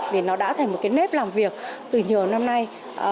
vì nó đã thành một cái nếp làm việc từ nhiều năm nay